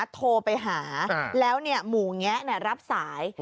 โทรไปหาแล้วหมู่แงะรับสาย